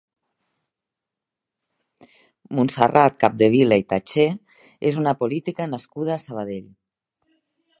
Montserrat Capdevila i Tatché és una política nascuda a Sabadell.